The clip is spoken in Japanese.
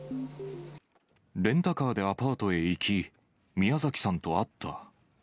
レンタカーでアパートへ行き、宮崎さんと会った。